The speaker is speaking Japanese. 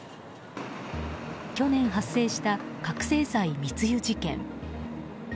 去年発生した覚醒剤密輸事件。